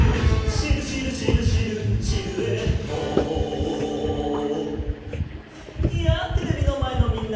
「シルシルシルシルシルエット」やあテレビのまえのみんな！